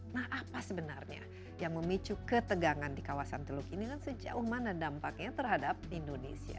nah apa sebenarnya yang memicu ketegangan di kawasan teluk ini dan sejauh mana dampaknya terhadap indonesia